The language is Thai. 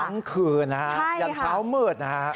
ทั้งคืนนะครับยันเช้าเมื่อดนะครับ